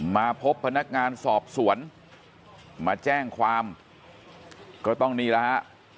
มาพบพนักงานสอบสวนมาแจ้งความก็ต้องนี่แหละฮะ